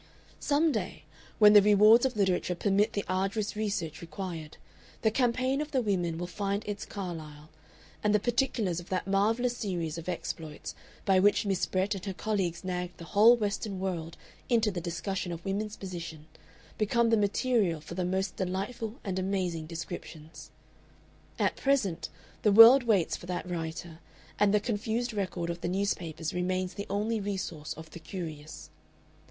Some day, when the rewards of literature permit the arduous research required, the Campaign of the Women will find its Carlyle, and the particulars of that marvellous series of exploits by which Miss Brett and her colleagues nagged the whole Western world into the discussion of women's position become the material for the most delightful and amazing descriptions. At present the world waits for that writer, and the confused record of the newspapers remains the only resource of the curious.